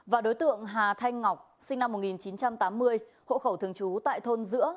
và đối tượng hà thanh ngọc sinh năm một nghìn chín trăm tám mươi hộ khẩu thường trú tại thôn giữa